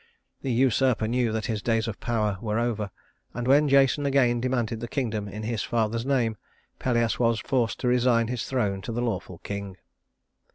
The usurper knew that his days of power were over, and when Jason again demanded the kingdom in his father's name, Pelias was forced to resign his throne to the lawful king.